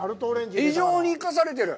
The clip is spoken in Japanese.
非常に生かされてる。